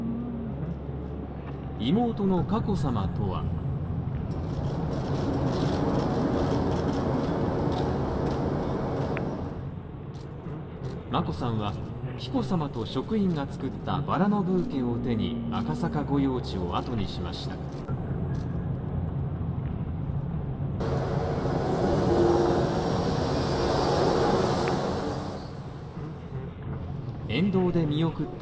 妹の佳子さまとは眞子さんは、紀子さまと職員が作ったバラのブーケを手に赤坂御用地を後にしました。